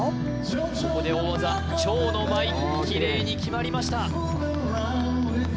ここで大技蝶の舞きれいに決まりました